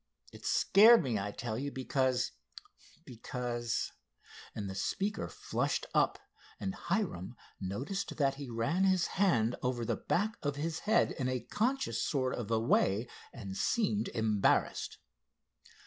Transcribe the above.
It scared me, I tell you, because—because," and the speaker flushed up, and Hiram noticed that he ran his hand over the back of his head in a conscious sort of a way and seemed embarrassed.